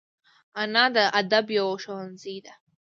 انا د ادب یو ښوونځی ده